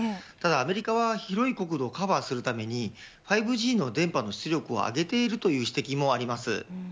ただアメリカは広い国土をカバーするために５Ｇの電波の出力を上げているという指摘もあります。